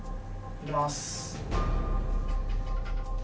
いきます。